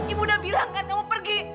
ibu udah bilang kan kamu pergi